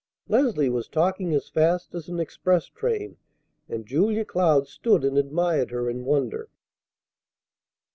Leslie was talking as fast as an express train, and Julia Cloud stood and admired her in wonder.